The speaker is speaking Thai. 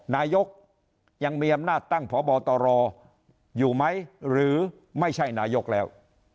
นายกยังมีอำนาจตั้งพบตรอยู่ไหมหรือไม่ใช่นายกแล้ว